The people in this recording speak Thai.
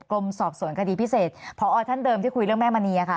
กรมสอบสวนคดีพิเศษพอท่านเดิมที่คุยเรื่องแม่มณีค่ะ